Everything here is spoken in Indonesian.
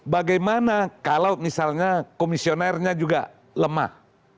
bagaimana kalau misalnya komisionernya juga lemah